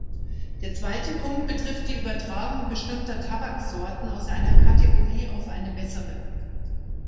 Der zweite Punkt betrifft die Übertragung bestimmter Tabaksorten aus einer Kategorie auf eine bessere.